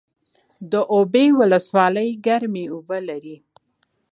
د اوبې ولسوالۍ ګرمې اوبه لري